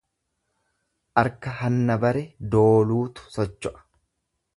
Arka hanna bare dooluutu sosso'a.